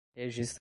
registradores